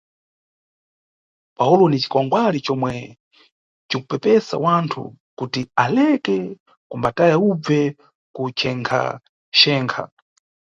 Pawulo Ni cikwangwali comwe cikupepesa wanthu kuti aleke kumbataya ubve kunchengaxenga.